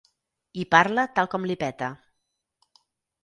I parla tal com li peta.